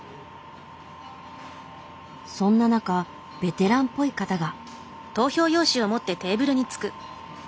そんな中ベテランっぽい方が。